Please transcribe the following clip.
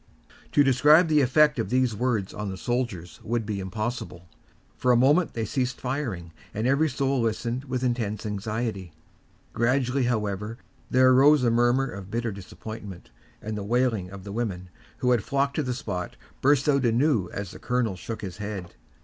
To describe the effect of these words upon the soldiers would be impossible. For a moment they ceased firing, and every soul listened with intense anxiety. Gradually, however, there arose a murmur of bitter disappointment, and the wailing of the women, who had flocked to the spot, burst out anew as the colonel shook his head.